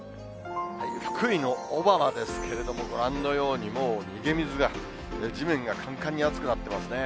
福井の小浜ですけれども、ご覧のように、もう逃げ水が、地面がかんかんに熱くなってますね。